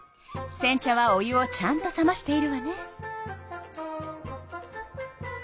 せん茶はお湯をちゃんと冷ましているわね。